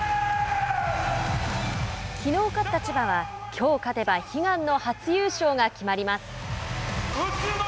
きのう勝った千葉はきょう勝てば悲願の初優勝が決まります。